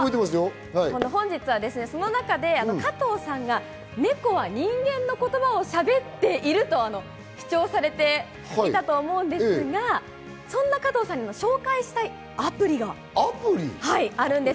本日はその中で加藤さんがネコは人間の言葉をしゃべっていると主張されていたと思うんですが、そんな加藤さんに紹介したいアプリがあるんです。